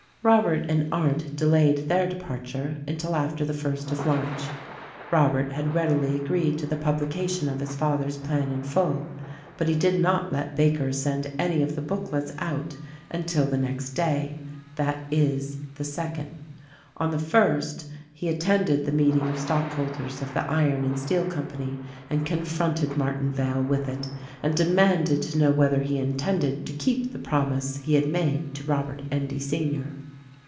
Robert and Arndt delayed their departure until after the first of March. Robert had readily agreed to the publication of his father's plan in full ; but he did not let Baker send any of the booklets out until the next day ; that is, the second. On the first, he attended the meeting of stockholders of the THE RECORDING ANGEL 283 Iron and Steel Company and confronted Martinvale with it and demanded to know whether he intended to keep the promise he had made to Robert Endy, Sr.